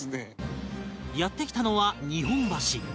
やって来たのは日本橋